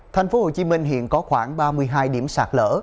thành phố hồ chí minh hiện có khoảng ba mươi hai điểm sạt lỡ